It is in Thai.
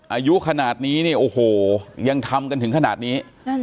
อายุขนาดนี้เนี่ยโอ้โหยังทำกันถึงขนาดนี้